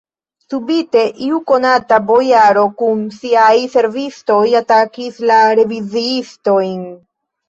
Subite iu nekonata bojaro kun siaj servistoj atakis la reviziistojn.